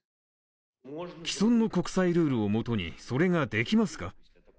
既存の国際ルールをもとにそれができますか？